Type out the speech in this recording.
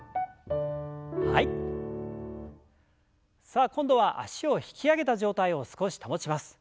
さあ今度は脚を引き上げた状態を少し保ちます。